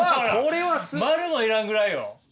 円も要らんぐらいよ。